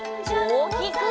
おおきく！